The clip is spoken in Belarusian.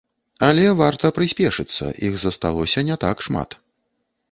Але варта прыспешыцца, іх засталося не так шмат.